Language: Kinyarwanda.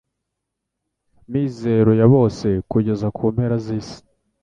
mizero ya bose kugeza ku mpera z’isi